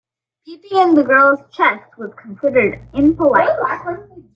Peeping in the girl's chest was considered impolite.